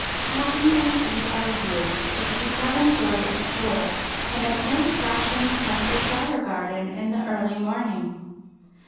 ] Happy indeed are you, if you have enjoyed a stroll in an old fashioned country flower garden in the early morning.